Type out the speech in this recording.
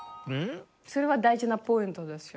それは大事なポイントですよ。